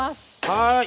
はい。